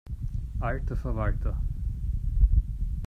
Alter Verwalter!